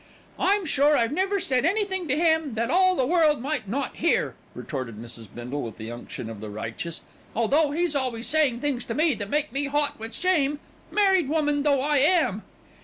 "I'm sure I've never said anything to him that all the world might not hear," retorted Mrs. Bindle, with the unction of the righteous, "although he's always saying things to me that make me hot with shame, married woman though I am."